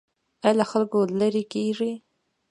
ایا له خلکو لرې کیږئ؟